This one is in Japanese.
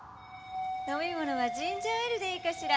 飲み物はジンジャーエールでいいかしら？